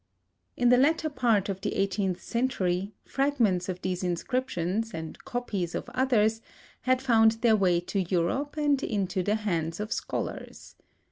In the latter part of the eighteenth century, fragments of these inscriptions, and copies of others, had found their way to Europe and into the hands of scholars.